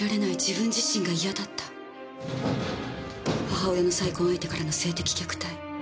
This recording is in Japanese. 母親の再婚相手からの性的虐待。